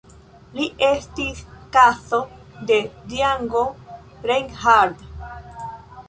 Li estis kuzo de Django Reinhardt.